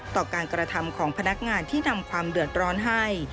ต่อการกระทำของพนักงานที่นำความเดือดร้อนให้